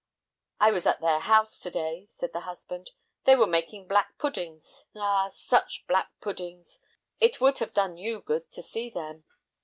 "I was at their house to day," said the husband; "they were making black puddings. Ah, such black puddings! It would have done you good to see them!"